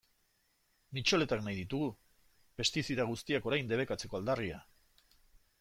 Mitxoletak nahi ditugu, pestizida guztiak orain debekatzeko aldarria.